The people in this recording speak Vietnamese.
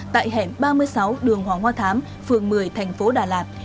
tại hẻm ba mươi sáu đường hoàng hoa thám phường một mươi thành phố đà lạt